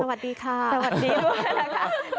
สวัสดีค่ะสวัสดีทุกคนนะคะ